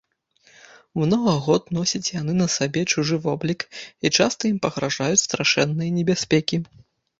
Многа год носяць яны на сабе чужы воблік, і часта ім пагражаюць страшныя небяспекі.